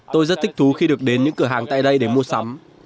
tôi rất thích thú khi được đến những cửa hàng tại đây để mua sắm